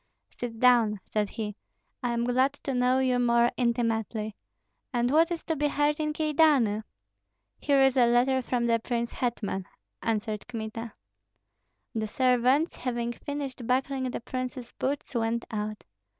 "Sit down," said he, "I am glad to know you more intimately. And what is to be heard in Kyedani?" "Here is a letter from the prince hetman," answered Kmita. The servants, having finished buckling the prince's boots, went out.